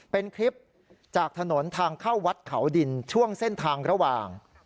เป็นคลิปจากถนนทางเข้าวัดเขาดินช่วงเส้นทางระหว่าง